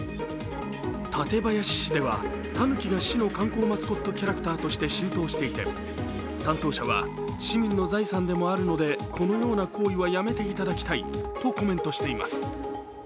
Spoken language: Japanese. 館林市ではたぬきが市の観光マスコットキャラクターとして浸透していて担当者は、市民の財産でもあるのでこのような行為はやめていただきたいとコメントしています。